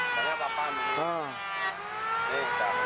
kayanya bapak ini